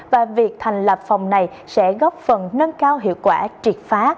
và việc thành lập phòng này sẽ góp phần nâng cao hiệu quả triệt phá